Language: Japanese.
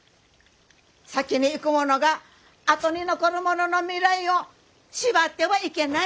先に逝く者が後に残る者の未来を縛ってはいけない。